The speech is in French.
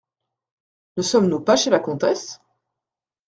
Ne sommes-nous pas chez la comtesse ?